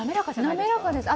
滑らかです。